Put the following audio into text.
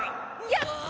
やった！